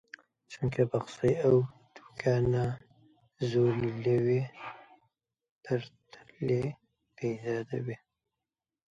چونکە بە قسەی ئەو، دووکان زۆری لەوە پتر لێ پەیدا دەبێ